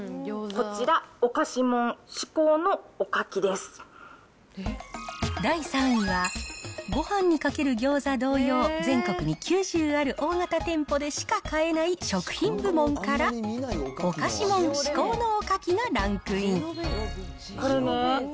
こちら、第３位は、ごはんにかけるギョーザ同様、全国に９０ある大型店舗でしか買えない食品部門から、おかしもん至高のおかきがランクイン。